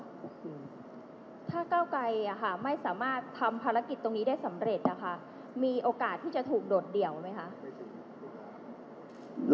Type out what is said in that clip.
ถ้าเก้าไกรไม่สามารถทำภารกิจตรงนี้ได้สำเร็จนะคะมีโอกาสที่จะถูกโดดเดี่ยวไหมคะ